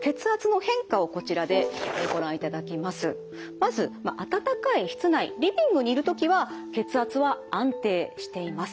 まず暖かい室内リビングにいる時は血圧は安定しています。